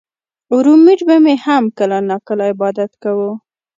رومېټ به مې هم کله نا کله عبادت کوو